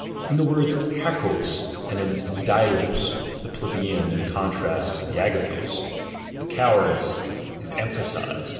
In the word y.axcx; as in Sei16<; (the plebeian in contrast to the dyuOog) the cowardice is emphasised.